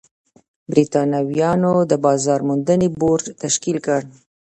برېټانویانو د بازار موندنې بورډ تشکیل کړ.